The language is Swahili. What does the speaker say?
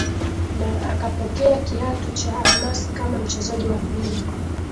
Na akapokea kiatu cha Almasi kama mchezaji wa pili